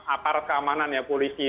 aparat keamanan ya polisi